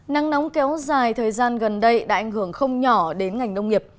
nắng nóng kéo dài thời gian gần đây đã ảnh hưởng không nhỏ đến ngành nông nghiệp